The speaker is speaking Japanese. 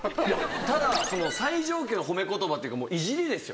ただ最上級の褒め言葉っていうかいじりですよ